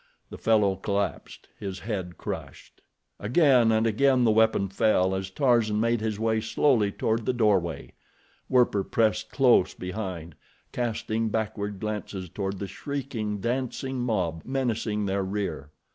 The fellow collapsed, his head crushed. Again and again the weapon fell as Tarzan made his way slowly toward the doorway. Werper pressed close behind, casting backward glances toward the shrieking, dancing mob menacing their rear.